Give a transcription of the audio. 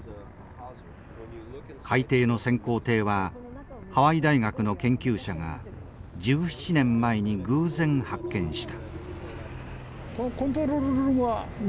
海底の潜航艇はハワイ大学の研究者が１７年前に偶然発見した。